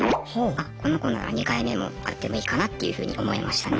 あこの子なら２回目も会ってもいいかなっていうふうに思いましたね。